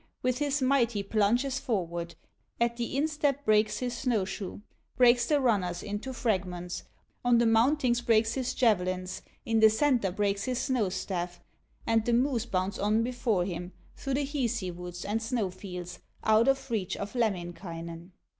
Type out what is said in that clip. With his might he plunges forward; At the instep breaks his snow shoe, Breaks the runners into fragments, On the mountings breaks his javelins, In the centre breaks his snow staff, And the moose bounds on before him, Through the Hisi woods and snow fields, Out of reach of Lemminkainen.